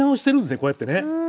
こうやってね。